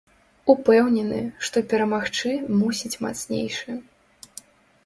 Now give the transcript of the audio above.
Упэўнены, што перамагчы мусіць мацнейшы.